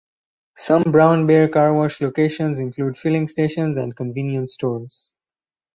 Some Brown Bear Car Wash locations include filling stations and convenience stores.